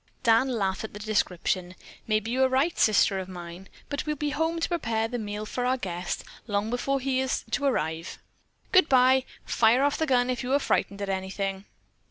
Dan laughed at the description. "Maybe you are right, sister of mine, but we'll be home to prepare the meal for our guest, long before the hour he is to arrive. Goodbye! Fire off the gun if you are frightened at anything."